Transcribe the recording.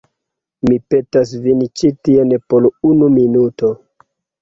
Mi petas vin ĉi tien por unu minuto.